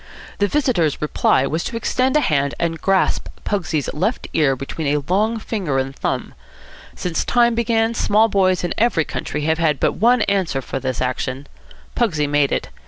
The visitor's reply was to extend a hand and grasp Pugsy's left ear between a long finger and thumb. Since time began, small boys in every country have had but one answer for this action. Pugsy made it.